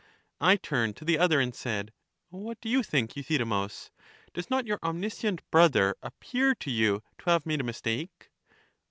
I turned to the other, and said, What do you think, Euthydemus? Does not your omniscient brother ap pear to you to have made a mistake